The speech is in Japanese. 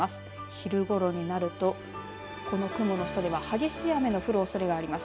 昼ごろになるとこの雲の下では激しい雨が降るおそれがあります。